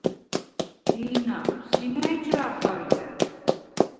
დი̄ნა, სი მა̈ჲ ჯა̄რხ ალჲა̈რ?